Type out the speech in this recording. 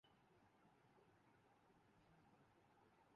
امریکہ کو جواب تحمل سے دینا چاہیے۔